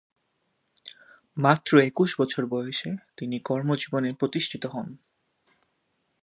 মাত্র একুশ বছর বয়সে তিনি কর্মজীবনে প্রতিষ্ঠিত হন।